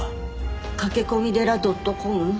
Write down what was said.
駆け込み寺ドットコム。